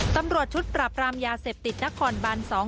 ตำรวจชุดปรับรามยาเสพติดนักขอนด์ปันสอง